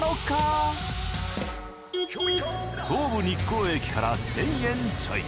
東武日光駅から１，０００円ちょい。